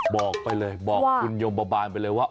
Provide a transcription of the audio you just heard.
บอกไปเลยบอกคุณยมบาบาลไปเลยว่า